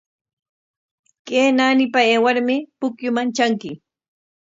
Kay naanipa aywarmi pukyuman tranki.